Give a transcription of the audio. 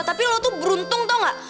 tapi lo tuh beruntung tau ga